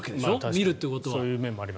見るということは。